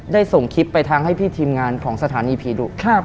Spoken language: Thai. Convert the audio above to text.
ส่งคลิปไปทางให้พี่ทีมงานของสถานีผีดุ